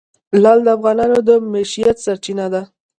لعل د افغانانو د معیشت سرچینه ده.